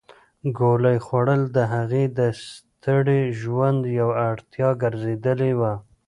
ګولۍ خوړل د هغې د ستړي ژوند یوه اړتیا ګرځېدلې وه.